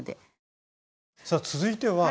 さあ続いては。